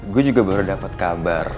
gue juga baru dapat kabar